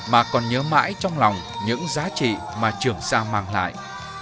mà còn nhớ mãi trong lòng những giá trị mà trường sa mang lại